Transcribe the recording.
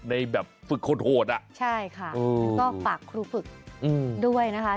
ในแบบฝึกโหดอ่ะใช่ค่ะก็ฝากครูฝึกด้วยนะคะ